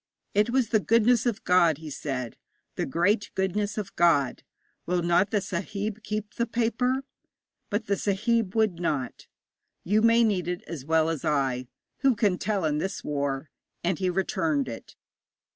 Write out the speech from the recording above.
'It was the goodness of God,' he said 'the great goodness of God. Will not the sahib keep the paper?' But the sahib would not. 'You may need it as well as I. Who can tell in this war?' And he returned it.